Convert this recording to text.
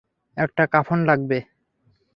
একটা কাফন লাগবে।